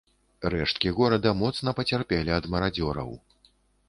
Рэшткі горада моцна пацярпелі ад марадзёраў.